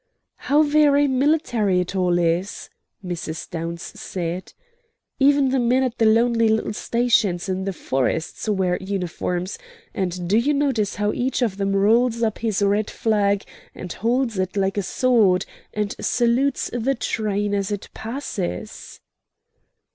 "How very military it all is!" Mrs. Downs said. "Even the men at the lonely little stations in the forests wear uniforms; and do you notice how each of them rolls up his red flag and holds it like a sword, and salutes the train as it passes?"